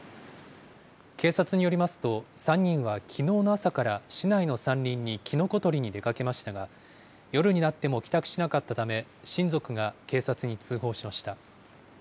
警察によりますと、３人はきのうの朝から市内の山林にきのこ採りに出かけましたが、夜になっても帰宅しなかったため、親族が警察に通報しました。